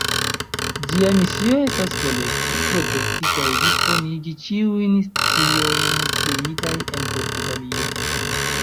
Ĝia misio estas kolekti, protekti kaj disponigi ĉiujn sciojn kreitaj en Portugalio.